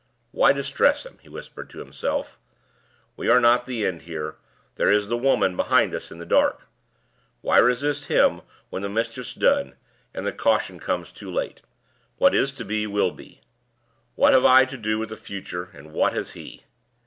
"Why distress him?" he whispered to himself. "We are not the end here: there is the Woman behind us in the dark. Why resist him when the mischief's done, and the caution comes too late? What is to be will be. What have I to do with the future? and what has he?"